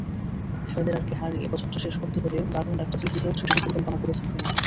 ফেদেরারকে হারিয়ে বছরটা শেষ করতে পেরে দারুণ একটা তৃপ্তিদায়ক ছুটিরই পরিকল্পনা করেছেন তিনি।